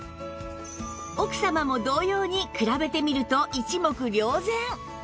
奥様も同様に比べてみると一目瞭然